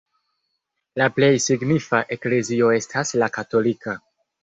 La plej signifa eklezio estas la katolika.